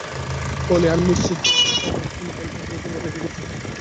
পলি, আমি নিশ্চিত যে, এসব প্রমাণ খুনি পরিকল্পিতভাবে রেখে গেছে।